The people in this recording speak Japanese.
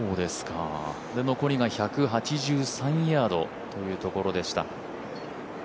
残りが１８３ヤードというところでした。